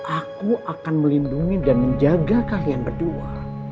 aku akan melindungi dan menjaga kalian berdua